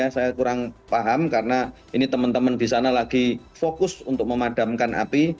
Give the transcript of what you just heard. saya kurang paham karena ini teman teman di sana lagi fokus untuk memadamkan api